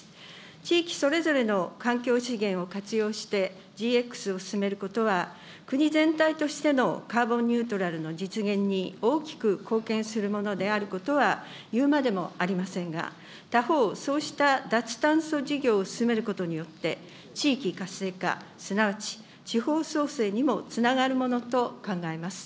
地域それぞれの環境資源を活用して、ＧＸを進めることは、国全体としてのカーボンニュートラルの実現に大きく貢献するものであることは、いうまでもありませんが、他方、そうした脱炭素事業を進めることによって、地域活性化、すなわち地方創生にもつながるものと考えます。